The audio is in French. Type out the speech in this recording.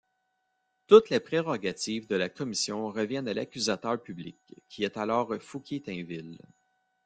Toutes les prérogatives de la commission reviennent à l'accusateur public, qui est alors Fouquier-Tinville.